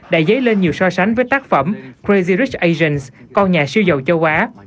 đại giấy lên nhiều so sánh với tác phẩm crazy rich asians con nhà siêu giàu châu á